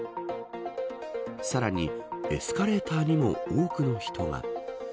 さらに、エスカレーターにも多くの人が。